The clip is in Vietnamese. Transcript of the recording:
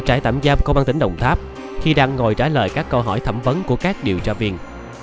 tại trại tạm giam của ban tỉnh đồng tháp khi đang ngồi trả lời các câu hỏi thẩm vấn của các điều tra viên